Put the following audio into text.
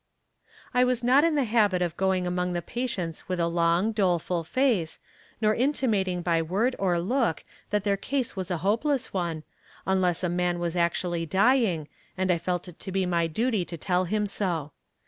I was not in the habit of going among the patients with a long, doleful face, nor intimating by word or look that their case was a hopeless one, unless a man was actually dying, and I felt it to be my duty to tell him so.